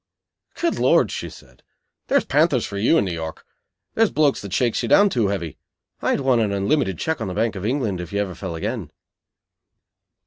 "Good Lord," she said. "There's panthers for you in New York! There's the blokes that shakes you down too heavy. I'd want an unlimited cheque on the Bank of England if you ever fell again."